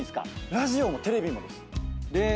ラジオもテレビもです。